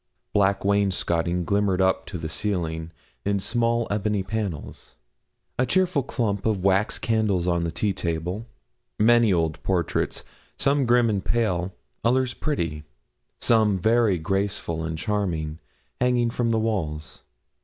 Black wainscoting glimmered up to the ceiling, in small ebony panels; a cheerful clump of wax candles on the tea table; many old portraits, some grim and pale, others pretty, and some very graceful and charming, hanging from the walls.